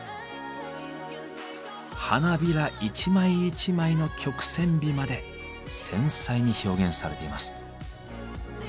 花びら一枚一枚の曲線美まで繊細に表現されています。